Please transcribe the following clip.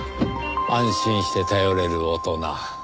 安心して頼れる大人。